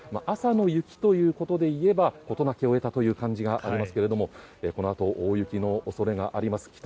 朝の雪ということでいえば事なきを得たという感じがありますがこのあと大雪の恐れがあります。